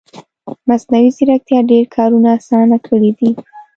مصنوعي ځیرکتیا ډېر کارونه اسانه کړي دي